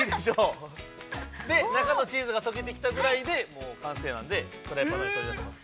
中のチーズが溶けてきたぐらいで、完成なんで、フライパンの火を止めます。